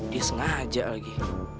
dia sengaja lagi